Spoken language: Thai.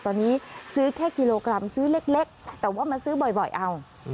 ตอนนี้ซื้อแค่กิโลกรัมซื้อเล็กแต่ว่ามาซื้อบ่อยเอา